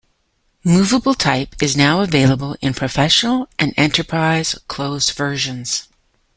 Movable Type is now available in "Professional" and "Enterprise" closed versions.